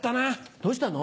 どうしたの？